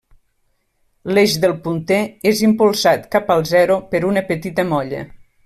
L'eix del punter és impulsat cap al zero per una petita molla.